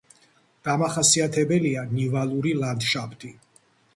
დამახასიათებელია ნივალური ლანდშაფტი.